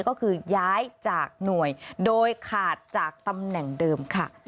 ก็คือย้ายจากหน่วยโดยขาดจากตำแหน่งเดิมค่ะ